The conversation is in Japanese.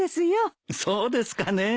そうですかね。